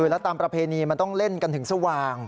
แล้วตามประเพณีมันต้องเล่นกันถึงสว่าง